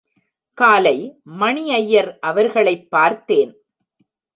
காலை மணி அய்யர் அவர்களைப் பார்த்தேன்.